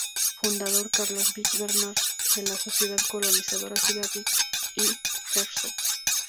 Fundador: Carlos Beck Bernard, de la Sociedad Colonizadora Suiza Beck y Herzog.